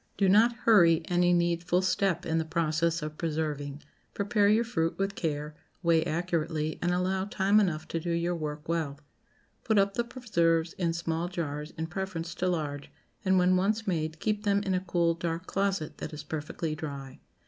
Do not hurry any needful step in the process of preserving. Prepare your fruit with care, weigh accurately, and allow time enough to do your work well. Put up the preserves in small jars in preference to large, and, when once made, keep them in a cool, dark closet that is perfectly dry.